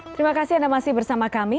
terima kasih anda masih bersama kami